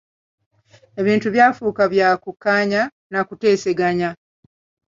Ebintu byafuuka bya kukkaanya n'akuteesaganya.